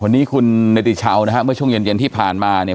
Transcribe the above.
วันนี้คุณเนติชาวนะฮะเมื่อช่วงเย็นเย็นที่ผ่านมาเนี่ย